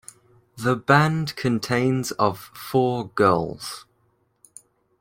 The band contains of four girls.